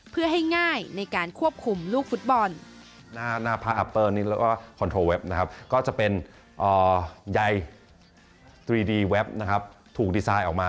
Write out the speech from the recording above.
เพื่อให้ง่ายในการควบคุมลูกฟุตบอล